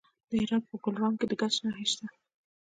د هرات په ګلران کې د ګچ نښې شته.